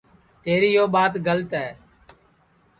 تیری یو ٻات گلت ہے